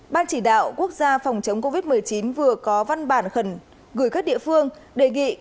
ban chỉ đạo quốc gia phòng chống covid một mươi chín vừa có văn bản khẩn gửi các địa phương đề nghị